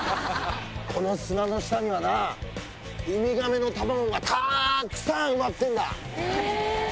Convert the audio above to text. この砂の下にはな、ウミガメの卵がたーくさん埋まってんだ。